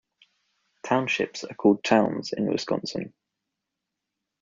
Townships are called "towns" in Wisconsin.